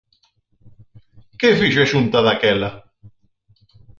¿Que fixo a Xunta daquela?